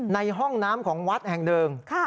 ในห้องน้ำของวัดแห่งหนึ่ง